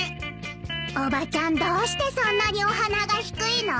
おばちゃんどうしてそんなにお鼻が低いの？